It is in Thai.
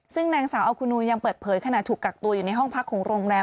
ซึ่งนางสาวอัคคูนูยังเปิดเผยขณะถูกกักตัวอยู่ในห้องพักของโรงแรม